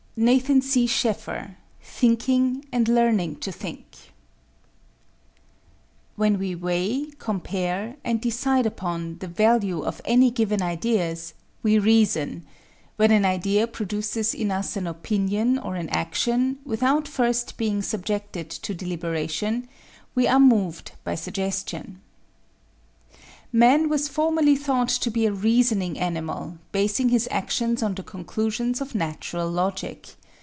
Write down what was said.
NATHAN C. SCHAEFFER, Thinking and Learning to Think. When we weigh, compare, and decide upon the value of any given ideas, we reason; when an idea produces in us an opinion or an action, without first being subjected to deliberation, we are moved by suggestion. Man was formerly thought to be a reasoning animal, basing his actions on the conclusions of natural logic.